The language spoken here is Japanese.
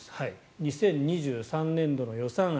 ２０２３年度の予算案。